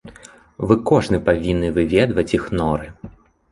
Вы кожны павінны выведваць іх норы!